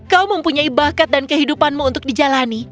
kau mempunyai bakat dan kehidupanmu untuk dijalani